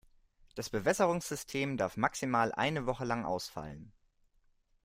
Das Bewässerungssystem darf maximal eine Woche lang ausfallen.